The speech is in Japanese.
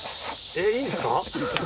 えっいいんですか？